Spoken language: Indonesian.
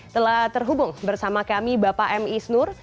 telah terhubung bersama kami bapak m isnur